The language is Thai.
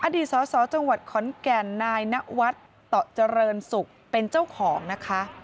สสจังหวัดขอนแก่นนายนวัฒน์ต่อเจริญศุกร์เป็นเจ้าของนะคะ